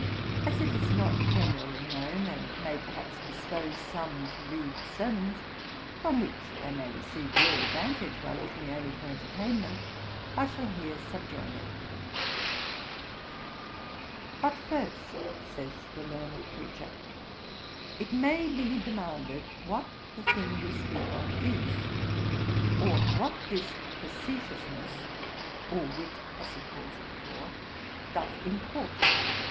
As it is not generally known, and may perhaps dispose some to read sermons, from which they may receive real advantage, while looking only for entertainment, I shall here subjoin it: 'But first (says the learned preacher) it may be demanded, what the thing we speak of is? Or what this facetiousness (or wit as he calls it before) doth import?